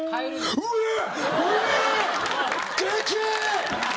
うわっ！